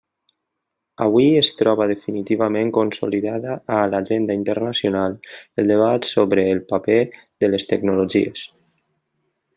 Avui es troba definitivament consolidada a l'agenda internacional el debat sobre el paper de les tecnologies.